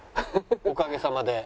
おかげさまで。